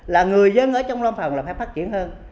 là người dân ở trong lâm phòng là phải phát triển hơn